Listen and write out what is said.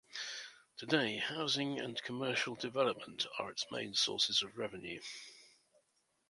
Today, housing and commercial development are its main sources of revenue.